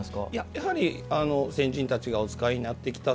やはり先人たちがお使いになってきた